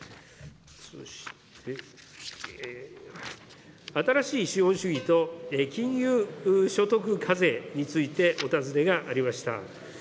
そして、新しい資本主義と金融所得課税についてお尋ねがありました。